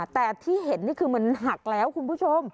แต่ที่เห็นนี่คือมันหักแล้วคุณผู้ชม